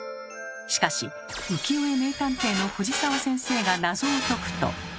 しかし浮世絵名探偵の藤澤先生が謎を解くと。